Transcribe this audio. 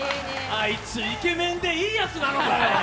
あいつ、イケメンでいいやつなのかよ。